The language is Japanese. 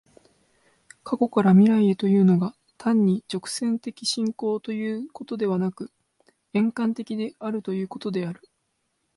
過去から未来へというのが、単に直線的進行ということでなく、円環的であるということである。